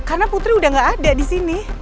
karena putri udah gak ada disini